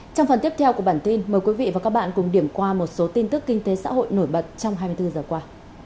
trong phần tiếp theo của bản tin mời quý vị và các bạn cùng điểm qua một số tin tức kinh tế xã hội nổi bật trong hai mươi bốn giờ qua